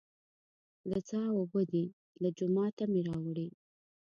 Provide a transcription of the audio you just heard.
د څاه اوبه دي، له جوماته مې راوړې.